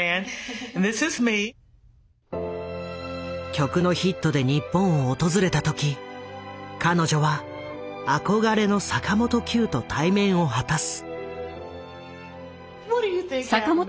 曲のヒットで日本を訪れた時彼女は憧れの坂本九と対面を果たす。